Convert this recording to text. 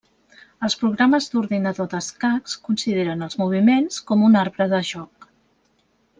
Els programes d'ordinador d'escacs consideren els moviments com un arbre de joc.